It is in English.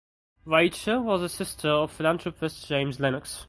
Rachel was the sister of philanthropist James Lenox.